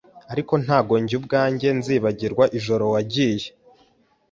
Ariko ntabwo njye ubwanjye nzibagirwa ijoro wagiye